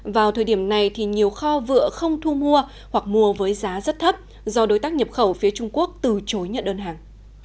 vào thời điểm này thì nhiều kho vựa không thu mua hoặc mua với giá rất thấp do đối tác nhập khẩu phía trung quốc từ chối nhận đơn hàng